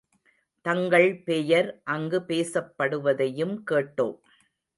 தங்கள் பெயர் அங்கு பேசப்படுவதையும் கேட்டோம்.